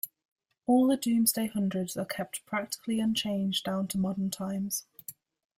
All the Domesday hundreds are kept practically unchanged down to modern times.